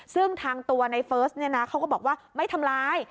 ซึ่งทางตัวในเฟิร์สเนี่ยนะเขาก็บอกว่าไม่ทำร้าย